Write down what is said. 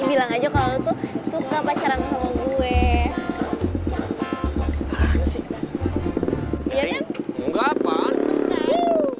bilang aja kalau lu tuh suka pacaran sama gue